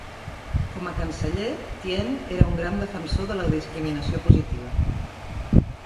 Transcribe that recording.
Com a canceller, Tien era un gran defensor de la discriminació positiva.